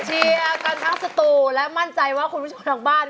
เชียร์กันทั้งสตูและมั่นใจว่าคุณผู้ชมทางบ้าน